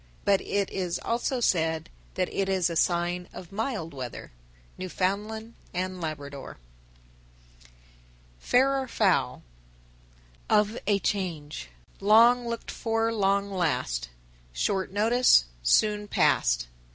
But it is also said that it is a sign of mild weather. Newfoundland and Labrador. FAIR OR FOUL. 962. Of a change: Long looked for Long last, Short notice, Soon past.